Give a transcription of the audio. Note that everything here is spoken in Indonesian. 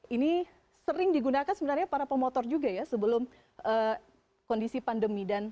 ini sering digunakan sebenarnya para pemotor juga ya sebelum kondisi pandemi